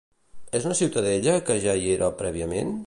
És una ciutadella que ja hi era prèviament?